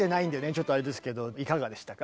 ちょっとあれですけどいかがでしたか？